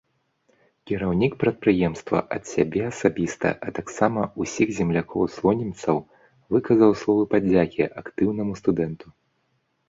Кіраўнік прадпрыемства ад сябе асабіста, а таксама ўсіх землякоў-слонімцаў выказаў словы падзякі актыўнаму студэнту.